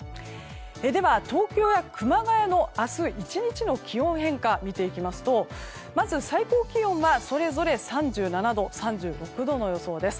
では、東京や熊谷の明日１日の気温変化を見ていきますとまず最高気温はそれぞれ３７度、３６度の予想です。